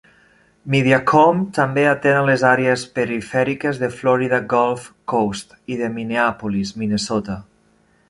Mediacom també atén a les àrees perifèriques de Florida Gulf Coast i de Minneapolis, Minnesota.